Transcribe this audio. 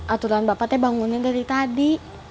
aturan bapak teh bangunin dari tadi